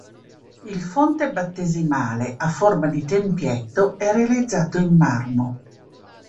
Il fonte battesimale a forma di tempietto è realizzato in marmo.